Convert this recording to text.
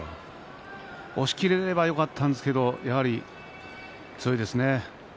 押しきれればよかったんですが、やはり強いですね。